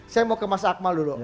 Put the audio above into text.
saya mau ke mas akmal dulu